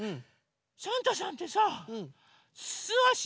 サンタさんってさすあし？